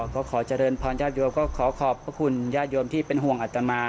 ก็ขอเจริญพรญาติโยมก็ขอขอบพระคุณญาติโยมที่เป็นห่วงอัตมา